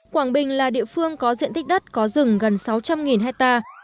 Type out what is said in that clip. quảng bình là địa phương có diện tích đất có rừng gần sáu trăm linh hectare